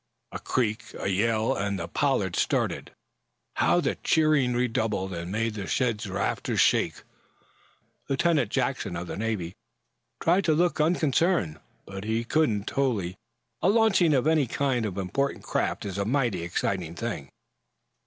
A creak, a yell, and the "Pollard" started. How the cheering redoubled and made the shed's rafters shake. Lieutenant Jackson, of the Navy, tried to look unconcerned, but he couldn't, wholly. A launching of any kind of important craft is a mighty exciting thing.